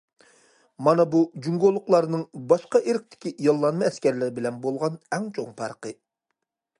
مانا بۇ جۇڭگولۇقلارنىڭ باشقا ئىرقتىكى ياللانما ئەسكەرلەر بىلەن بولغان ئەڭ چوڭ پەرقى.